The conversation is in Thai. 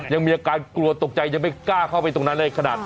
ยังมีอาการกลัวตกใจยังไม่กล้าเข้าไปตรงนั้นเลยขนาด